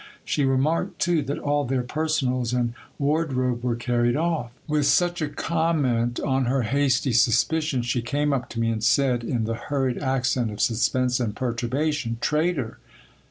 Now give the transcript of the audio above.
She remarked, too, that all their personals and ward robe were carried off. With such a comment on her hasty suspicions, she came up to me and said, in the hurried accent of suspense and perturbation : Traitor